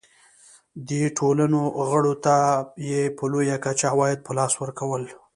دې ټولنو غړو ته یې په لویه کچه عواید په لاس ورکول.